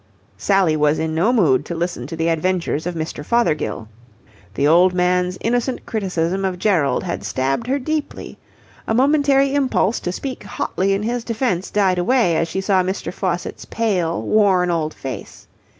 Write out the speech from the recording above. Sally was in no mood to listen to the adventures of Mr. Fothergill. The old man's innocent criticism of Gerald had stabbed her deeply. A momentary impulse to speak hotly in his defence died away as she saw Mr. Faucitt's pale, worn old face.